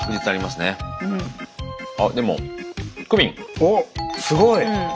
おっすごい！